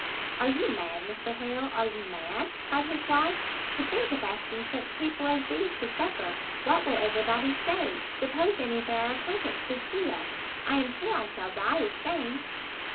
"Are you mad, Mr Harrel, are you mad!" cried his wife, "to think of asking such people as these to supper? what will every body say? suppose any of our acquaintance should see us? I am sure I shall die with shame."